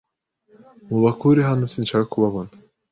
Mubakure hano sinshaka kubabona!